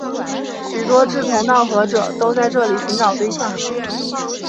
许多志同道合者都在这里寻找对象。